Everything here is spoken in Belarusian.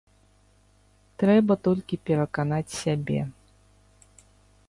Трэба толькі пераканаць сябе.